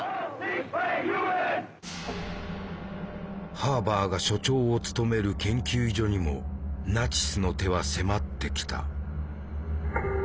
ハーバーが所長を務める研究所にもナチスの手は迫ってきた。